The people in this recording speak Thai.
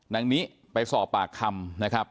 นางนิไปสอบปากคำนะครับ